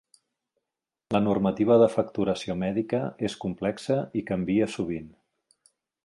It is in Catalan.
La normativa de facturació mèdica és complexa i canvia sovint.